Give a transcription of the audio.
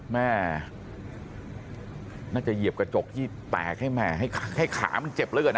แม่น่าจะเหยียบกระจกที่แตกให้แม่ให้ขามันเจ็บเหลือเกินนะ